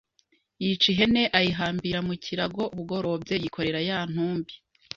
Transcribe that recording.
Yica ihene, ayihambira mu kirago Bugorobye yikorera ya ntumbi